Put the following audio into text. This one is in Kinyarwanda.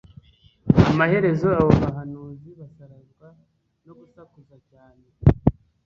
Amaherezo abo bahanuzi basarazwa no gusakuza cyane